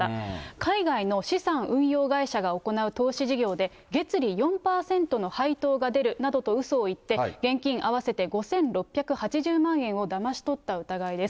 海外の資産運用会社が行う投資事業で、月利４％の配当が出るなどとうそを言って、現金合わせて５６８０万円をだまし取った疑いです。